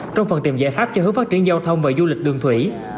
trong phần tìm giải pháp cho hướng phát triển giao thông và du lịch đường thủy